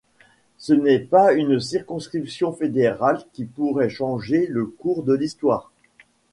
Ce n'est pas une circonscription fédérale qui pourrait changer le cours de l'histoire.